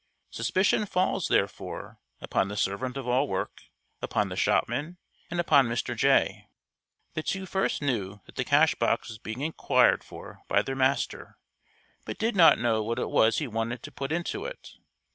Suspicion falls, therefore, upon the servant of all work, upon the shopman, and upon Mr. Jay. The two first knew that the cash box was being inquired for by their master, but did not know what it was he wanted to put into it.